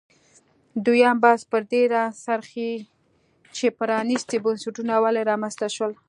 دویم بحث پر دې راڅرخي چې پرانیستي بنسټونه ولې رامنځته شول.